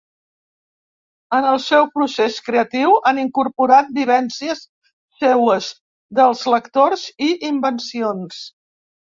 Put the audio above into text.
En el seu procés creatiu han incorporat vivències seues, dels lectors i invencions.